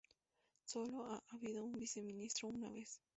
Sólo ha habido un viceministro una vez.